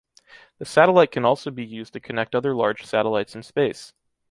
The satellite can also be used to connect other large satellites in space.